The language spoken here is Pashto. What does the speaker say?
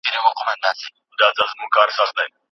تنده د اوبو اړتیا ښيي.